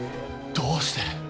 どうして？